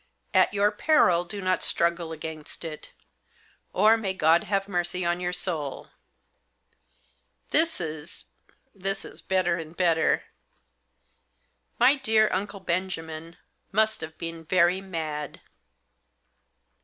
At your peril do not struggle against it. Or may God have mercy on your soul.' This is — this is better and better. My dear, Uncle Benjamin must have been very mad.